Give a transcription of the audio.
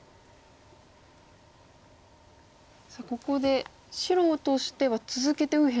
ここで白としては続けて右辺